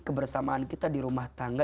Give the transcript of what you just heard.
kebersamaan kita di rumah tangga